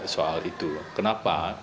soal itu kenapa